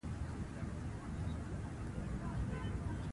لوستې میندې د ماشوم روغتیا ته ارزښت ورکوي.